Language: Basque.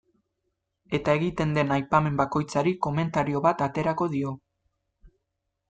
Eta egiten den aipamen bakoitzari komentario bat aterako dio.